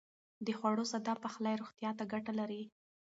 د خوړو ساده پخلی روغتيا ته ګټه لري.